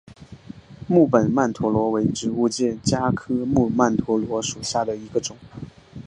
木本曼陀罗为植物界茄科木曼陀罗属下的一种。